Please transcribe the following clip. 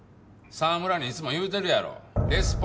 澤村にいつも言うてるやろ。